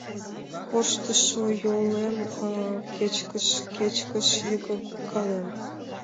Корштышо йолем кечкыж-кечкыж йыгкалем.